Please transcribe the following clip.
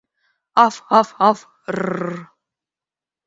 Ав, ав, ав... ррр...